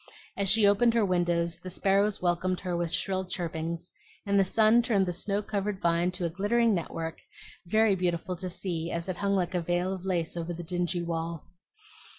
As she opened her windows the sparrows welcomed her with shrill chirpings, and the sun turned the snow covered vine to a glittering network very beautiful to see as it hung like a veil of lace over the dingy wall.